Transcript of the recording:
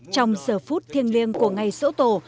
trong giờ phút thiêng liêng của ngày sổ tổ